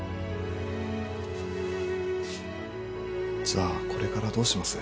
じゃあこれからどうします？